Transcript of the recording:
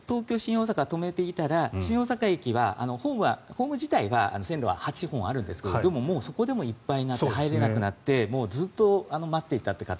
大阪を止めていたら新大阪駅はホーム自体は線路は８本あるんですがでも、そこでもいっぱいになって入れなくなってずっと待っていたという方